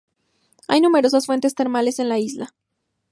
Hay numerosas fuentes termales en la isla.